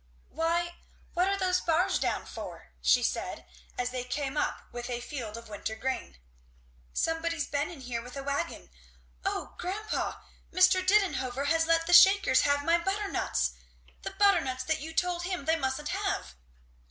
"Why what are those bars down for?" she said as they came up with a field of winter grain. "Somebody's been in here with a wagon. O grandpa! Mr. Didenhover has let the Shakers have my butternuts! the butternuts that you told him they mustn't have."